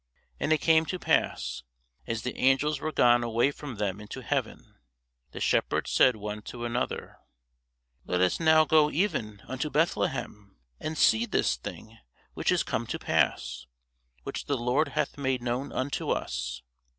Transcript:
And it came to pass, as the angels were gone away from them into heaven, the shepherds said one to another, Let us now go even unto Bethlehem, and see this thing which is come to pass, which the Lord hath made known unto us.